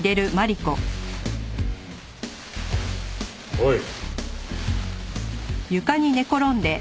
おい。